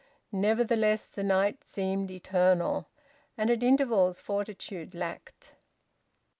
Nevertheless, the night seemed eternal, and at intervals fortitude lacked.